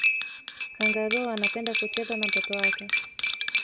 kangaroo anapenda kucheza na mtoto wake